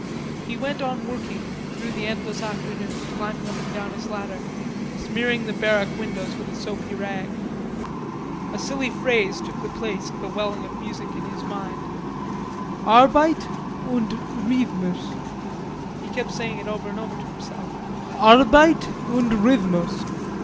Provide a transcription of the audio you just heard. He went on working through the endless afternoon, climbing up and down his ladder, smearing the barrack windows with a soapy rag. A silly phrase took the place of the welling of music in his mind: "Arbeit und Rhythmus." He kept saying it over and over to himself: "Arbeit und Rhythmus."